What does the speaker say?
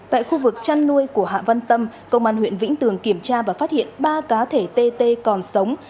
tại khu vực chăn nuôi của hạ văn tâm công an huyện vĩnh tường kiểm tra và phát hiện ba cá thể tt còn sống